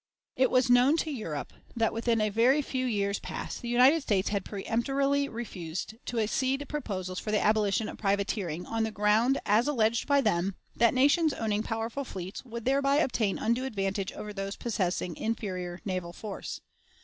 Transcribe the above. It was known to Europe that within a very few years past the United States had peremptorily refused to accede to proposals for the abolition of privateering, on the ground, as alleged by them, that nations owning powerful fleets would thereby obtain undue advantage over those possessing inferior naval force.